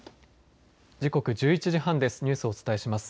時刻１１時半です。